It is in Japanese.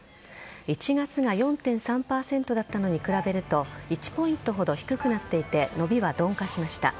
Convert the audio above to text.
１月が４．３％だったのに比べると１ポイントほど低くなっていて伸びは鈍化しました。